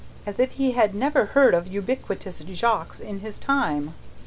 as if he had never heard of ubiquitous Jacques in his time.